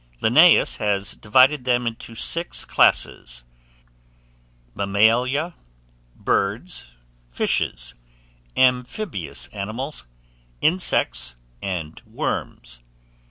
Linnaeus has divided them into six classes; Mammalia, Birds, Fishes, Amphibious Animals, Insects, and Worms.